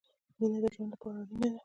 مينه د ژوند له پاره اړينه ده